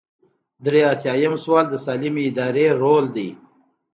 درې ایاتیام سوال د سالمې ادارې رول دی.